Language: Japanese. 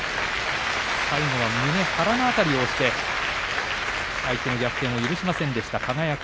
最後は胸、腹の辺りを押して相手の逆転を許しませんでした輝。